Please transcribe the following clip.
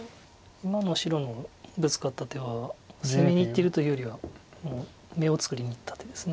今の白のブツカった手は攻めにいってるというよりはもう眼を作りにいった手です。